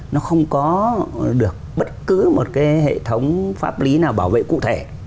nó không có được bất cứ một cái hệ thống pháp lý nào bảo vệ cụ thể